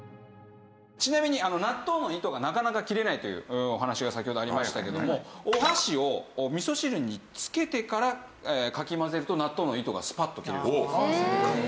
ちなみに納豆の糸がなかなか切れないというお話が先ほどありましたけどもお箸を味噌汁につけてからかき混ぜると納豆の糸がスパッと切れるそうです。